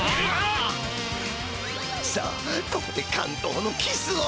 「さあここで感動のキスを」。